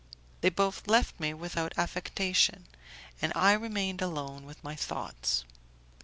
They both left me without affectation, and I remained alone with my thoughts.